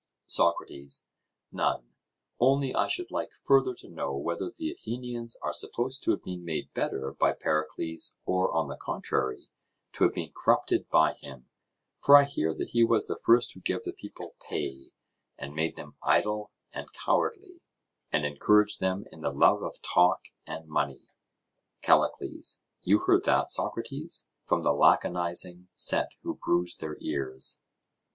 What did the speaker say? SOCRATES: None; only I should like further to know whether the Athenians are supposed to have been made better by Pericles, or, on the contrary, to have been corrupted by him; for I hear that he was the first who gave the people pay, and made them idle and cowardly, and encouraged them in the love of talk and money. CALLICLES: You heard that, Socrates, from the laconising set who bruise their ears.